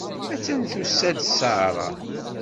Attan tusa-d Sarah.